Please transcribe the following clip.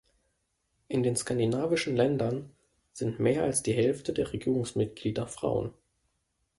In den skandinavischen Ländern sind mehr als die Hälfte der Regierungsmitglieder Frauen.